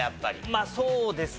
まあそうですね。